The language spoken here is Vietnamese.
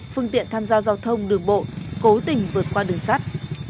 phương tiện tham gia giao thông đường bộ cố tình vượt qua đường sắt